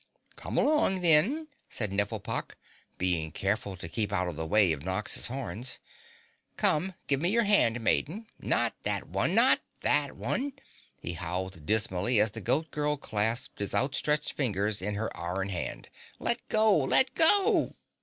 "Come along, then," said Nifflepok, being careful to keep out of the way of Nox's horns. "Come, give me your hand, maiden. Not that one! Not THAT one!" he howled dismally as the Goat Girl clasped his outstretched fingers in her iron hand. "Let go! Let go!"